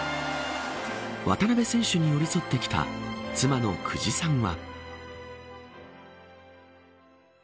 渡邊選手に寄り添ってきた妻の久慈さんは。